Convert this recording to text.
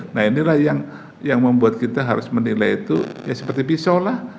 nah inilah yang membuat kita harus menilai itu ya seperti pisau lah